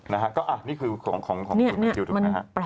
นะฮะนี่คือของคุณบนยูทูปนะฮะนี่มันแปลก